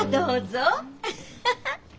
アッハハ。